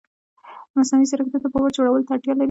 مصنوعي ځیرکتیا د باور جوړولو ته اړتیا لري.